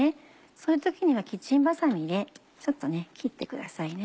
そういう時にはキッチンバサミでちょっと切ってくださいね。